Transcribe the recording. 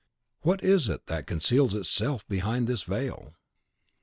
(What is it that conceals itself behind this veil?)